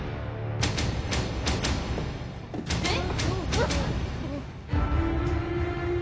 えっ？